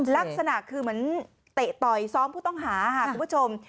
ลักษณะคือเหมือนเตะต่อยซ้อมผู้ต้องหาค่ะคุณผู้ชม